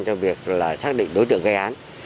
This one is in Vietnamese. trong việc là xác định đối tượng gây án